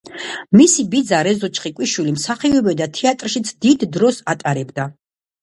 მისი ბიძა რეზო ჩხიკვიშვილი მსახიობია და თეატრშიც დიდ დროს ატარებდა.